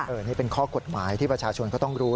อันนี้เป็นข้อกฎหมายที่ประชาชนเขาต้องรู้